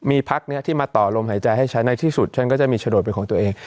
มีพักนี้ที่มาต่อลมหายใจให้ฉันในที่สุดฉันก็จะมีโฉนดเป็นของตัวเอง